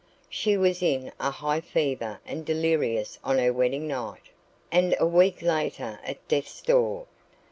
She was in a high fever and delirious on her wedding night, and a week later at death's door.